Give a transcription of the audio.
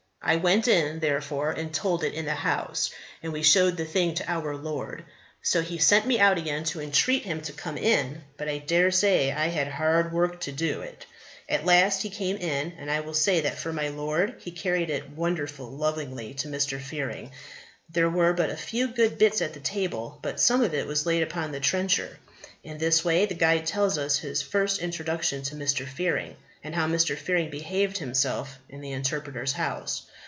I went in, therefore, and told it in the house, and we showed the thing to our Lord. So He sent me out again to entreat him to come in, but I dare say I had hard work to do it. At last he came in, and I will say that for my Lord, He carried it wonderful lovingly to Mr. Fearing. There were but a few good bits at the table, but some of it was laid upon his trencher." In this way the guide tells us his first introduction to Mr. Fearing, and how Mr. Fearing behaved himself in the Interpreter's House.